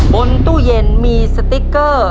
บนตู้เย็นมีสติ๊กเกอร์